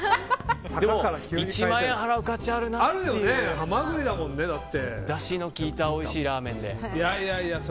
でも、１万円払う価値があるなっていうぐらいだしのきいたおいしいラーメンで。